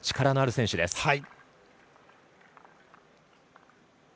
力のある選手です。